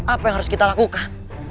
apa yang harus kita lakukan